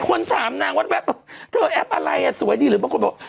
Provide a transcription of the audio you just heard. คนถามนางแว๊บเธอแอปอะไรอ่ะสวยดีหรือบางคนบอก